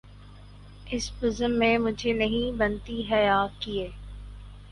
اس بزم میں مجھے نہیں بنتی حیا کیے